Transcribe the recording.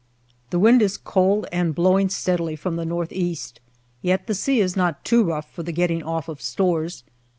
The wind is cold and blowing steadily from the north east, yet the sea is not too rough for the getting off of stores.